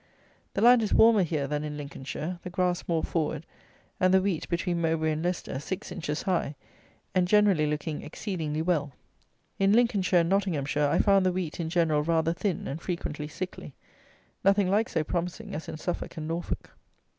The land is warmer here than in Lincolnshire; the grass more forward, and the wheat, between Mowbray and Leicester, six inches high, and generally looking exceedingly well. In Lincolnshire and Nottinghamshire I found the wheat in general rather thin, and frequently sickly; nothing like so promising as in Suffolk and Norfolk.